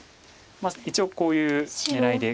一応こういう狙いで。